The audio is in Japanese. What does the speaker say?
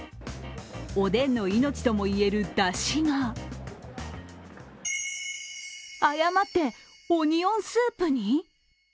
おでんの命ともいえるだしが誤って、オニオンスープに？